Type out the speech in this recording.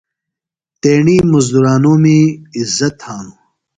تیݨی مُزدُرانومی عِزت تھانوۡ۔